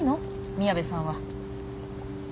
宮部さんは。